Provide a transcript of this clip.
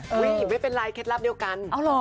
ไม่เป็นไรเคล็ดลับเดียวกัน